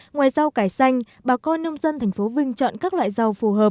ngoài rau cải xanh bà con nông dân thành phố vinh chọn các loại rau